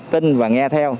tin và nghe theo